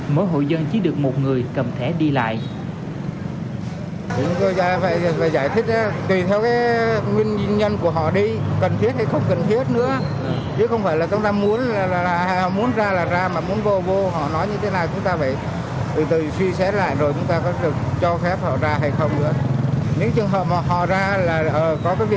mỗi hội dân chỉ được một người cầm thẻ đi lại